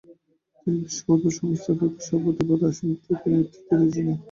তিনি বিশ্ব ফুটবল সংস্থা ফিফা'র সভাপতি পদে আসীন থেকে নেতৃত্ব দিয়েছিলেন।